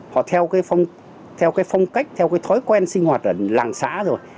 họ theo cái phong cách theo cái thói quen sinh hoạt ở làng xã rồi